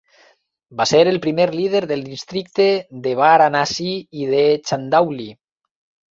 Va ser el primer líder del districte de Varanasi i de Chandauli.